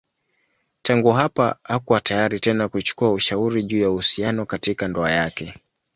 Tangu hapa hakuwa tayari tena kuchukua ushauri juu ya uhusiano katika ndoa yake.